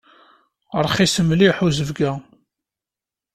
Rxis mliḥ uzebg-a.